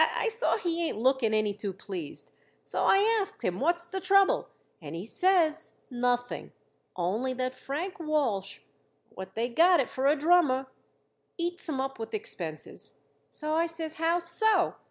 I saw he ain't looking any too pleased, so I asked him what's the trouble; and he says, nothing, only that Frank Walsh, what they got it for a drummer, eats 'em up with expenses. So I says, How so?